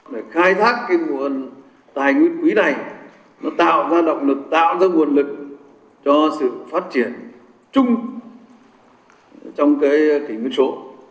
để khai thác cái nguồn tài nguyên quý này nó tạo ra động lực tạo ra nguồn lực cho sự phát triển chung trong cái kỷ nguyên số